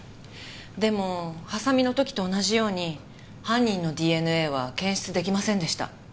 でもハサミの時と同じように犯人のＤＮＡは検出できませんでした。